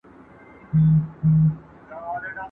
غړو به د ټاکنو د نظام د سمون راپور ورکړی وي.